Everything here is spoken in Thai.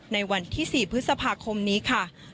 ในวันที่๔พฤษภาคมนี้ค่ะ